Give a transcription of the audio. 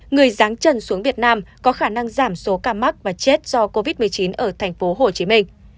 người ráng trần xuống việt nam có khả năng giảm số ca mắc và chết do covid một mươi chín ở tp hcm